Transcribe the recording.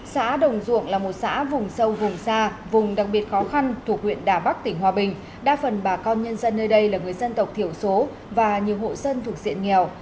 xã đồng duộng là một xã vùng sâu vùng xa vùng đặc biệt khó khăn thuộc huyện đà bắc tỉnh hòa bình đa phần bà con nhân dân nơi đây là người dân tộc thiểu số và nhiều hộ dân thuộc diện nghèo